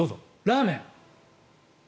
ラーメン！